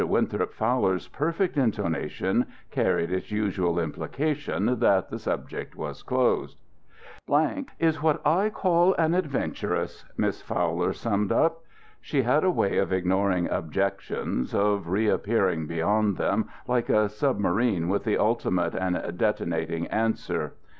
Winthrop Fowler's perfect intonation carried its usual implication that the subject was closed. " is what I call an adventuress," Miss Fowler summed up. She had a way of ignoring objections, of reappearing beyond them like a submarine with the ultimate and detonating answer.